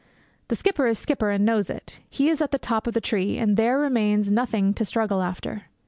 The skipper is skipper, and knows it. He is at the top of the tree, and there remains nothing to struggle after.